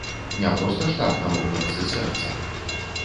Не проста ж так на вокладцы сэрца.